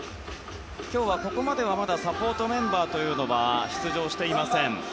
今日は、ここまではサポートメンバーというのは出場していません。